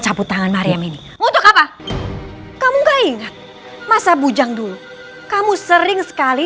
cabut tangan mariam ini untuk apa kamu enggak ingat masa bujang dulu kamu sering sekali